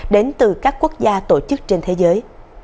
đến từ các quốc gia tổ chức trên thế giới